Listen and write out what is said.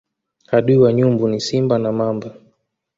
Adui wa nyumbu ni simba na mamba